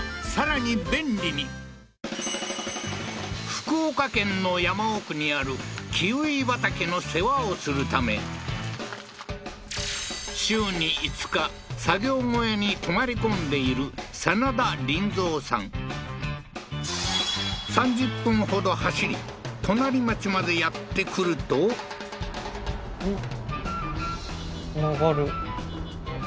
福岡県の山奥にあるキウイ畑の世話をするため週に５日作業小屋に泊まり込んでいる眞田林三さん３０分ほど走り隣町までやって来るとん？